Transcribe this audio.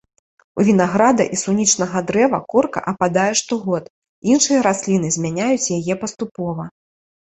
У вінаграда і сунічнага дрэва корка ападае штогод, іншыя расліны змяняюць яе паступова.